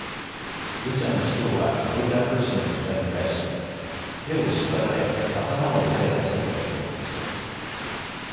ブチャの市長はロイター通信の取材に対し手を縛られ頭を撃たれた人もいると話しています。